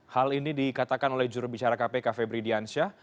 hal ini dikatakan oleh jurubicara kpk febri diansyah